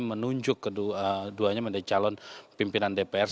menunjuk keduanya menjadi calon pimpinan dpr